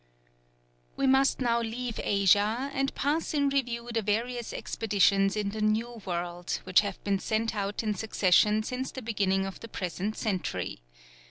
We must now leave Asia and pass in review the various expeditions in the New World, which have been sent out in succession since the beginning of the present century.